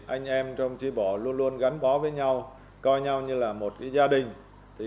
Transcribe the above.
anh em trong tri bộ luôn luôn gắn bó với nhau coi nhau như là một gia đình